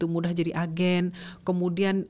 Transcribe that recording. mudah jadi agen kemudian